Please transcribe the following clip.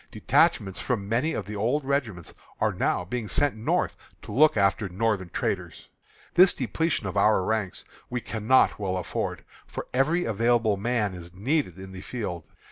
Detachments from many of the old regiments are now being sent North to look after Northern traitors. This depletion of our ranks we cannot well afford, for every available man is needed in the field.